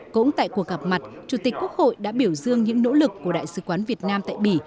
cũng tại cuộc gặp mặt chủ tịch quốc hội đã biểu dương những nỗ lực của đại sứ quán việt nam tại bỉ